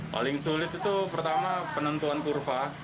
paling sulit itu pertama penentuan kurva